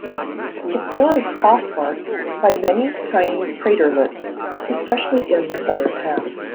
The floor is pock-marked by many tiny craterlets, especially in the southern half.